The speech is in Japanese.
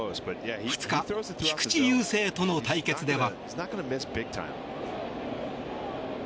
２日、菊池雄星との対決では。